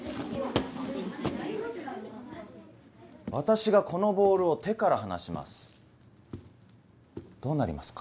私がこのボールを手から離しますどうなりますか？